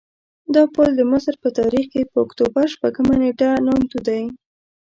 دا پل د مصر په تاریخ کې په اکتوبر شپږمه نېټه نامتو دی.